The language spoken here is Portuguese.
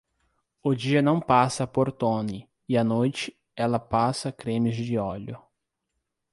O dia não passa por Toni, e à noite ela passa cremes de óleo.